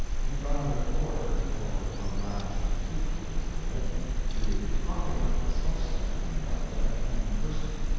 In about a quarter, or from that to three quarters of a minute, he would be propping up the smoke stack on the upper deck and cursing.